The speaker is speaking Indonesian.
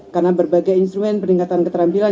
karena berbagai instrumen peningkatan keterampilan